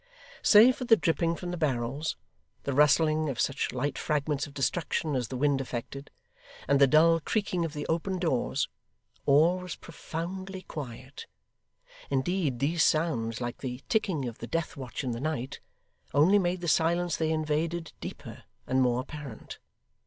Save for the dripping from the barrels, the rustling of such light fragments of destruction as the wind affected, and the dull creaking of the open doors, all was profoundly quiet: indeed, these sounds, like the ticking of the death watch in the night, only made the silence they invaded deeper and more apparent.